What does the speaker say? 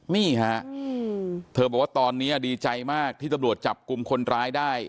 นี่ฮะเธอบอกว่าตอนนี้ดีใจมากที่ตำรวจจับกลุ่มคนร้ายได้